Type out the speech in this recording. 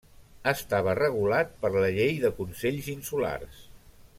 Estava regulat per la Llei de Consells Insulars.